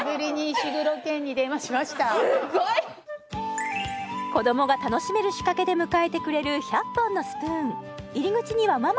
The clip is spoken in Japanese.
すごい！子どもが楽しめる仕掛けで迎えてくれる１００本のスプーン